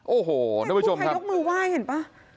โอ้โหพี่กู้ภัยยกมือไหว้เห็นป่ะ